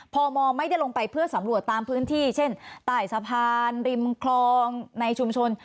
พมไม่ได้ลงไปเพื่อสำรวจตามพื้นที่เช่นใต้สะพานริมคลองในชุมชน